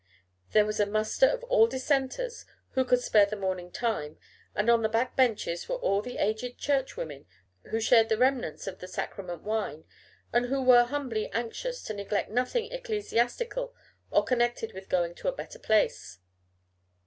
There was a muster of all Dissenters who could spare the morning time, and on the back benches were all the aged Churchwomen who shared the remnants of the sacrament wine, and who were humbly anxious to neglect nothing ecclesiastical or connected with "going to a better place."